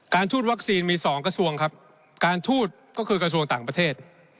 ทูตวัคซีนมี๒กระทรวงครับการทูตก็คือกระทรวงต่างประเทศ